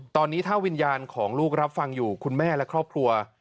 ตอนนี้ถ้าวิญญาณของลูกรับฟังอยู่คุณแม่และครอบครัว